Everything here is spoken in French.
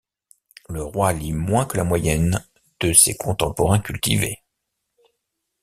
Le roi lit moins que la moyenne de ses contemporains cultivés.